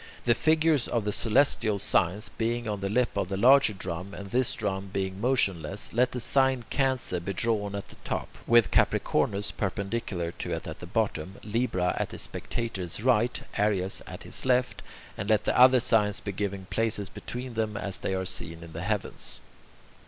The figures of the celestial signs being on the lip of the larger drum, and this drum being motionless, let the sign Cancer be drawn at the top, with Capricornus perpendicular to it at the bottom, Libra at the spectator's right, Aries at his left, and let the other signs be given places between them as they are seen in the heavens.